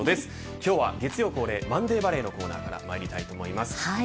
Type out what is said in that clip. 今日は月曜恒例マンデーバレーのコーナーからまいりたいと思います。